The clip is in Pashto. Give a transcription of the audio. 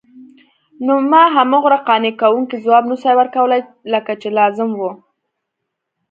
نو ما هغومره قانع کوونکی ځواب نسوای ورکولای لکه چې لازم وو.